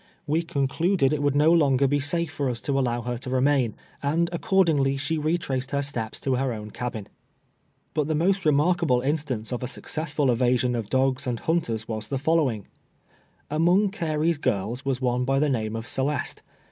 We concluded it would no longer be safe for us to allow her to remain, and accordingly she re traced her steps to her own cabin. But the most remarkable instance of a successful evasion of dogs and hunters was the following : Among Carey's girls was one by the name of Celeste.